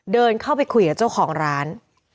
เดินเข้าไปคุยกับเจ้าของร้าน